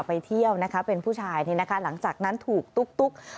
ไปเที่ยวนะคะเป็นผู้ชายนี่นะคะหลังจากนั้นถูกตุ๊ก